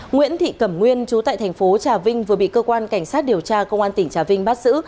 nguyễn thị cẩm nguyên chú tại thành phố trà vinh vừa bị cơ quan cảnh sát điều tra công an tỉnh trà vinh bắt giữ